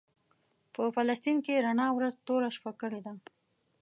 په فلسطین یې رڼا ورځ توره شپه کړې ده.